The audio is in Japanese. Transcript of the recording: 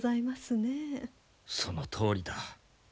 そのとおりだ。